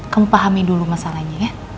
kamu pahami dulu masalahnya ya